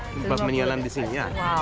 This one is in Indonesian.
tempat menyelam di sini